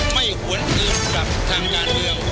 ไม่ควรเกิดกลับทางงานเดียว